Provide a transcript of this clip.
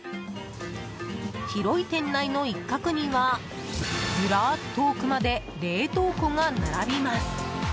広い店内の一角にはずらっと奥まで冷凍庫が並びます。